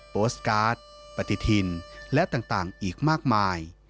โพสต์การ์ดปฏิทินและต่างอีกมากมาย